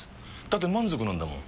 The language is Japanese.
だって満足なんだもん。